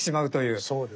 そうですね。